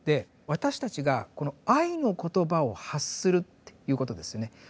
私たちがこの愛の言葉を発するっていうことですよね。